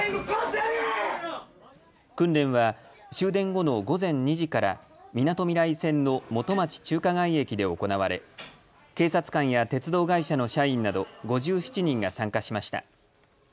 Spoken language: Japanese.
訓練は終電後の午前２時からみなとみらい線の元町・中華街駅で行われ警察官や鉄道会社の社員など、５７人が参加しました。